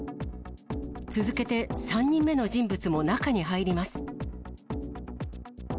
続けて、３人目の人物も中に入ります。